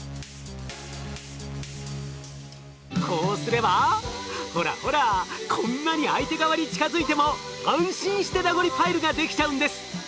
こうすればほらほらこんなに相手側に近づいても安心してラゴリパイルができちゃうんです。